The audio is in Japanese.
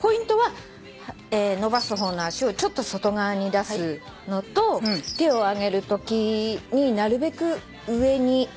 ポイントは伸ばす方の足をちょっと外側に出すのと手を上げるときになるべく上に。